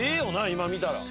今見たら。